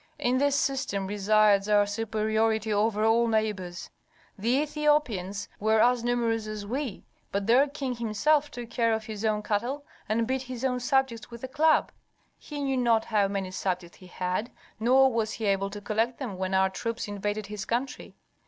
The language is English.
"In this system resides our superiority over all neighbors. The Ethiopians were as numerous as we, but their king himself took care of his own cattle, and beat his own subjects with a club; he knew not how many subjects he had, nor was he able to collect them when our troops invaded his country.